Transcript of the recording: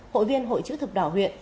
hội viên hội chữ thực đỏ huyện